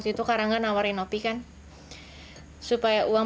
sama semua orang